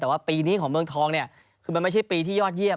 แต่ว่าปีนี้ของเมืองทองเนี่ยคือมันไม่ใช่ปีที่ยอดเยี่ยม